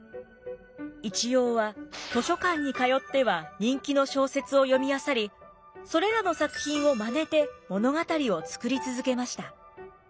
一葉は図書館に通っては人気の小説を読みあさりそれらの作品を真似て物語を作り続けました。